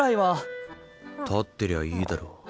立ってりゃいいだろう。